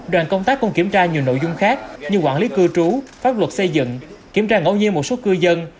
đoàn công tác cũng kiểm tra nhiều nội dung khác như quản lý cư trú pháp luật xây dựng kiểm tra ngẫu nhiên một số cư dân